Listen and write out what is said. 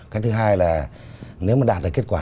cái thứ hai là nếu mà đạt được kết quả